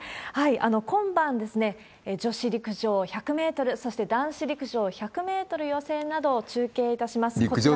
今晩、女子陸上１００メートル、そして男子陸上１００メートル予選などを中継いたします。